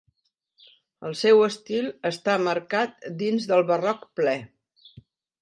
El seu estil està marcat dins del Barroc ple.